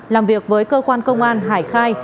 làm việc với cơ quan công an hải khai